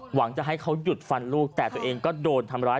หวังจะให้เขาหยุดฟันลูกแต่ตัวเองก็โดนทำร้าย